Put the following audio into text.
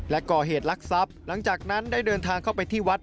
และก่อเหตุลักษัพหลังจากนั้นได้เดินทางเข้าไปที่วัด